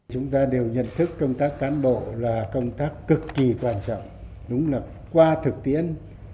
chúng ta đều nhận thức công tác cán bộ là công tác cực kỳ quan trọng đúng là qua thực tiễn